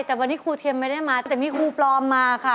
แต่วันนี้ครูเทียมไม่ได้มาแต่มีครูปลอมมาค่ะ